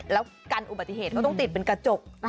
แล้วกันอุบัติเหตุเขาต้องติดเป็นกระจก